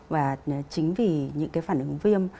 và chính vì những cái phản ứng viêm